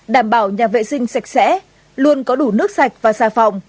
đảm bảo nhà vệ sinh sạch sẽ luôn có đủ nước sạch và xà phòng